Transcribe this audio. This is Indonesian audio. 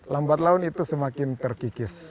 lambat laun itu semakin terkikis